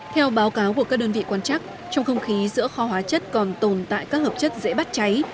theo báo cáo của các đơn vị quan chắc trong không khí giữa kho hóa chất còn tồn tại các hợp chất dễ bắt cháy